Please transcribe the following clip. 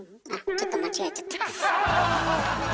ちょっと間違えちゃった。